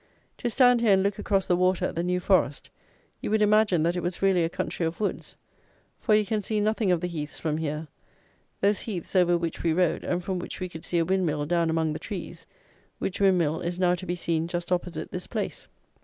To stand here and look across the water at the New Forest, you would imagine that it was really a country of woods; for you can see nothing of the heaths from here; those heaths over which we rode, and from which we could see a windmill down among the trees, which windmill is now to be seen just opposite this place.